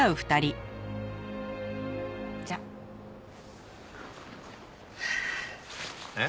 じゃあ。えっ？